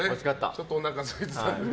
ちょっとおなかがすいてたんだね。